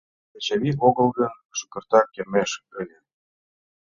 Чачавий огыл гын, шукертак йомеш ыле.